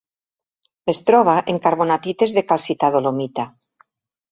Es troba en carbonatites de calcita–dolomita.